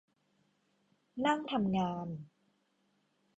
นั่งทำงาน